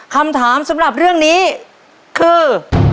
คำถามสำหรับเรื่องนี้คือ